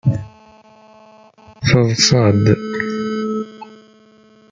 Teḍṣa-d.